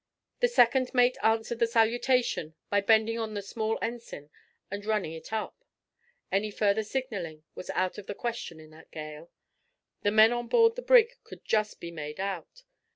The second mate answered the salutation by bending on the small ensign and running it up. Any further signalling was out of the question in that gale. The men on board the brig could just be made out.